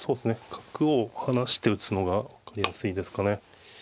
角を離して打つのが分かりやすいですかね。